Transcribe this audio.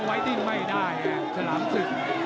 ตามต่อยกที่สองครับ